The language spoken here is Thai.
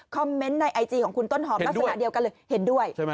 คอมเมนต์ในไอจีของคุณต้นหอมลักษณะเดียวกันเลย